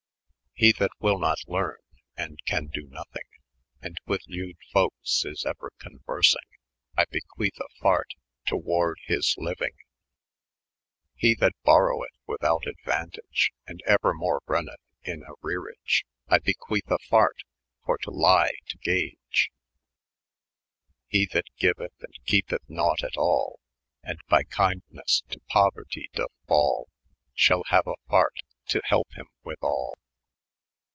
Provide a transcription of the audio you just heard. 14B ' He that wyll not leme, and can do nothyng. And with lewed folk is euer conuerayng, I bequethe a fart, toward his lyuyng. 140 ' He that boroweth with out aduantage, [p. 8,] And euermore renneth in arrerage, I bequeth a fart, for to lye to gage. 152 ' He that geueth, and kepeth nonght at all, And by kyndnes to pouerte dooth fall. Shall haue a fart, to helpe h3rm with all.